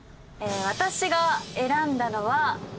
私が選んだのは。